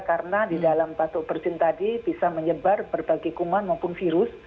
karena di dalam batuk bersin tadi bisa menyebar berbagai kuman maupun virus